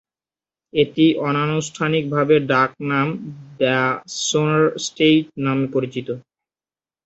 এটি অনানুষ্ঠানিকভাবে ডাকনাম "দ্য সোনার স্টেট" নামে পরিচিত।